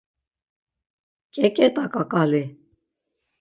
Ǩeǩet̆a ǩaǩali.